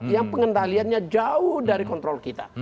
yang pengendaliannya jauh dari kontrol kita